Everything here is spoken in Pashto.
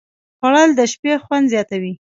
خوړل د شپې خوند زیاتوي